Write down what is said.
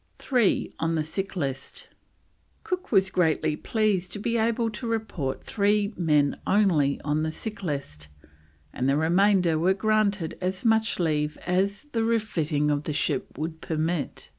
THREE ON THE SICK LIST. Cook was greatly pleased to be able to report three men only on the sick list, and the remainder were granted as much leave as the refitting of the ship would permit.